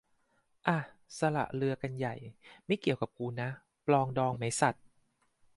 อ่ะ สละเรือกันใหญ่ ไม่เกี่ยวกับกูนะ ปรองดองไหมสัส